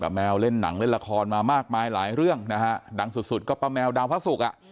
แมวเล่นหนังเล่นละครมามากมายหลายเรื่องนะฮะดังสุดสุดก็ป้าแมวดาวพระศุกร์อ่ะ